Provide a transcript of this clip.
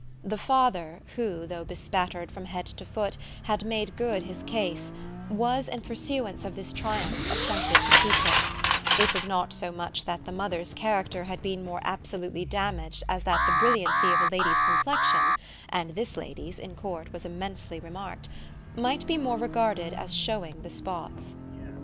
The father, who, though bespattered from head to foot, had made good his case, was, in pursuance of this triumph, appointed to keep her: it was not so much that the mother's character had been more absolutely damaged as that the brilliancy of a lady's complexion (and this lady's, in court, was immensely remarked) might be more regarded as showing the spots.